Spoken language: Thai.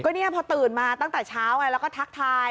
นี่พอตื่นมาตั้งแต่เช้าไงแล้วก็ทักทาย